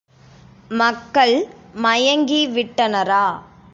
மக்கள் மயங்கி விட்டனரா?